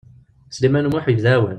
Sliman U Muḥ yebda awal.